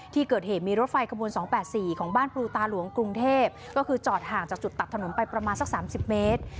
ที่เกิดเหตุมีรถไฟขบวน๒๘๔ของบ้านปูตาหลวงกรุงเทพก็คือจอดห่างจากจุดตัดถนนไปประมาณสัก๓๐เมตร